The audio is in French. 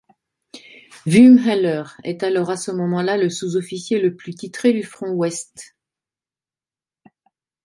Wurmheller est alors à ce moment-là le sous-officier le plus titré du front Ouest.